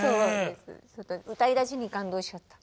歌いだしに感動しちゃった。